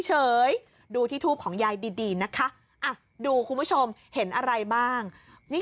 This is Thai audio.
ดูที่ทูปของยายดีนะคะดูคุณผู้ชมเห็นอะไรบ้างนี่